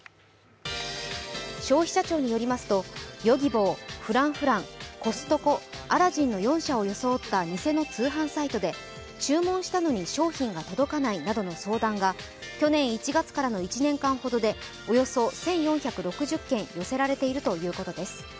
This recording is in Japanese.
消費者庁によりますと、Ｙｏｇｉｂｏ、Ｆｒａｎｃｆｒａｎｃ、ＣＯＳＴＣＯ、Ａｌａｄｄｉｎの４社を装った偽の通販サイトで注文したのに商品が届かないなどの相談が去年１月からの１年間ほどでおよそ１４６０件寄せられているということです。